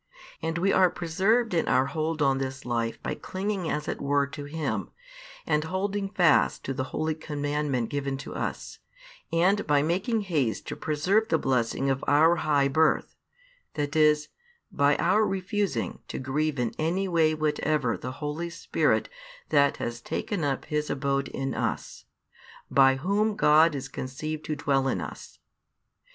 And we are preserved in our hold on this life by clinging as it were to Him, and holding fast to the holy commandment given to us, and by making haste to preserve the blessing of our high birth; that is, by our refusing to grieve in any way whatever the Holy Spirit That has taken up His abode in us, by Whom God is conceived to dwell in us.